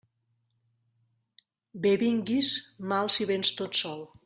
Bé vinguis, mal, si véns tot sol.